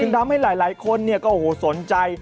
ซึ่งทำให้หลายคนก็สนใจ